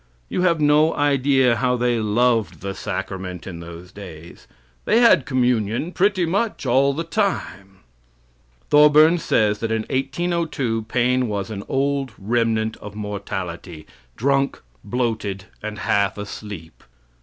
You have no idea how they loved the sacrament in those days. They had communion pretty much all the time. Thorburn says that in 1802 Paine was an "old remnant of mortality, drunk, bloated, and half asleep."